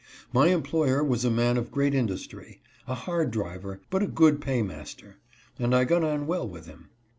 My employer was a man of great industry ; a hard driver, but a good paymaster, and I got on well with him.